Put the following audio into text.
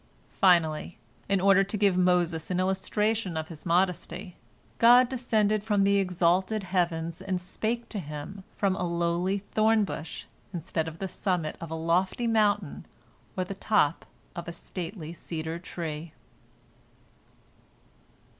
Finally, in order to give Moses an illustration of His modesty, God descended from the exalted heavens and spake to him from a lowly thorn bush instead of the summit of a lofty mountain or the top of a stately cedar tree.